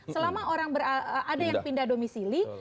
selama ada yang pindah domisili